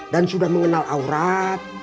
dan sudah mengenal aurat